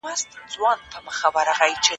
زه په دې اړه مرسته نسم کولای.